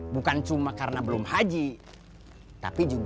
bukan cuma karena itu